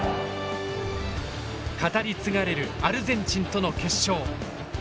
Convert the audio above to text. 語り継がれるアルゼンチンとの決勝。